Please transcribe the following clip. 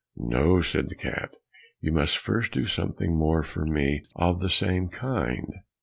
"No," said the cat, "you must first do something more for me of the same kind.